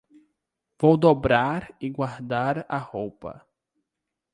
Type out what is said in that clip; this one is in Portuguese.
Vou dobrar e guardar a roupa.